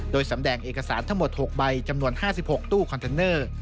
โดยสำแดงเอกสารทั้งหมด๖ใบจำนวน๕๖ตู้คอนเทนเนอร์